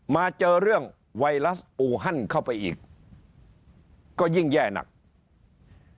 มาเจอเรื่องไวรัสอูฮันเข้าไปอีกก็ยิ่งแย่หนัก